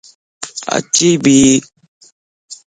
اُڇي بي